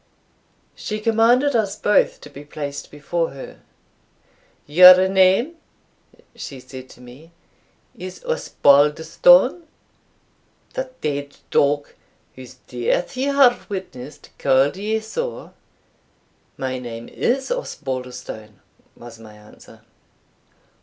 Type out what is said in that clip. She commanded us both to be placed before her. "Your name," she said to me, "is Osbaldistone? the dead dog, whose death you have witnessed, called you so." "My name is Osbaldistone," was my answer.